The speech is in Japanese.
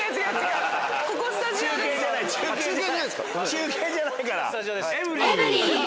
中継じゃないから！